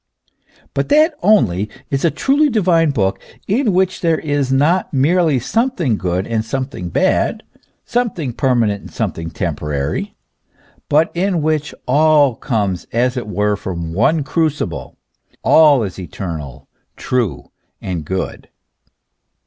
But that only is a truly divine book in which there is not merely something good and some thing bad, something permanent and something temporary, but in which all comes as it were from one crucible, all is eternal, true and good.